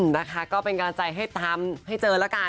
นะคะก็เป็นการใจให้ตามให้เจอแล้วกัน